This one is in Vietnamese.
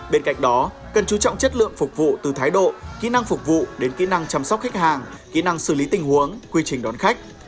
bên cạnh đó cần chú trọng chất lượng phục vụ từ thái độ kỹ năng phục vụ đến kỹ năng chăm sóc khách hàng kỹ năng xử lý tình huống quy trình đón khách